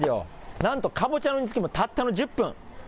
なんとかぼちゃの煮つけもたったの１０分。